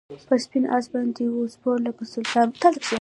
پر سپین آس باندي وو سپور لکه سلطان وو